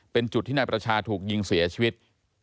เป็นจุดที่นายประชาถูกยิงเสียชีวิต